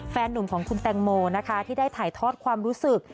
แฟนหนุ่มของคุณแตงโมนะคะที่ได้ถ่ายทอดความรู้สึก